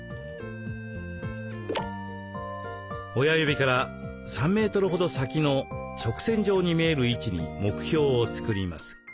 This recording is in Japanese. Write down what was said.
親指から３メートルほど先の直線上に見える位置に目標を作ります。